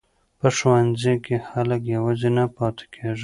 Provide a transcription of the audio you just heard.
په ښوونځي کې خلک یوازې نه پاتې کیږي.